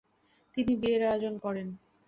তিনি বিয়ের আয়োজন করেন।